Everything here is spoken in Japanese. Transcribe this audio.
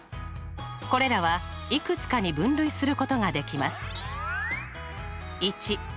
これらはいくつかに分類することができます。